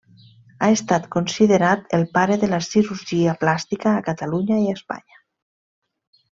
Ha estat considerat el pare de la cirurgia plàstica a Catalunya i a Espanya.